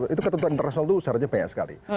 itu ketentuan internasional itu syaratnya banyak sekali